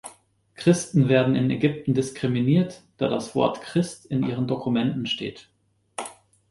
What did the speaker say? Christen werden in Ägypten diskriminiert, da das Wort "Christ" in ihren Dokumenten steht.